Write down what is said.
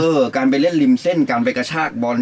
เออการไปเล่นริมเส้นการไปกระชากบอล